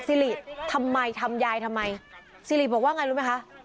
สิริทำไมทำยายทำไมสิริบอกว่าไงรู้ไหมคะ